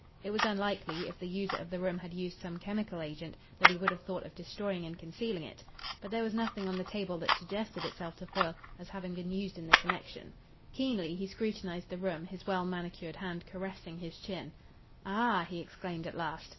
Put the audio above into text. It was unlikely, if the user of the room had used some chemical agent, that he would have thought of destroying and concealing it. But there was nothing on the table that suggested itself to Foyle as having been used in the connection. Keenly he scrutinised the room, his well manicured hand caressing his chin. "Ah!" he exclaimed at last.